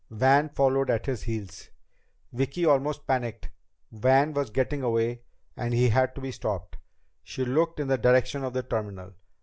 Van followed at his heels. Vicki almost panicked. Van was getting away and he had to be stopped! She looked in the direction of the terminal.